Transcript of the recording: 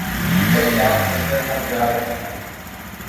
پی کر جام فرقت ہم جا رہے ہیں